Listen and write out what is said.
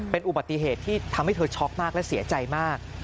เป็นอุบัติเหตุที่ทำให้เธอช็อกมากและเสียใจมาก